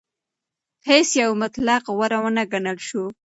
هیڅ یو مطلق غوره ونه ګڼل شو.